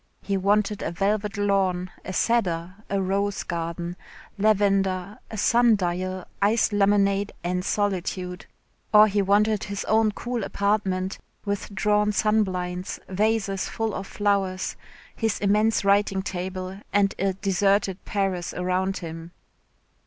He wanted a velvet lawn, a cedar, a rose garden, lavender, a sun dial, iced lemonade and solitude. Or he wanted his own cool apartment, with drawn sunblinds, vases full of flowers, his immense writing table, and a deserted Paris around him.